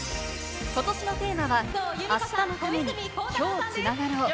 ことしのテーマは、「明日のために、今日つながろう。」。